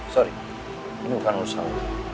sorry ini bukan urusan